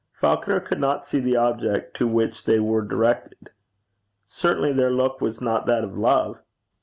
Falconer could not see the object to which they were directed. Certainly, their look was not that of love.